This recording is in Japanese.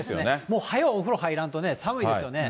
もうはよお風呂入らんとね、寒いですよね。